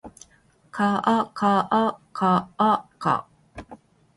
かあかあかあか